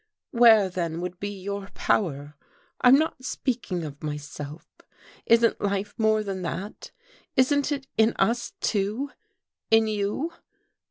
Where, then, would be your power? I'm not speaking of myself. Isn't life more than that? Isn't it in us, too, in you?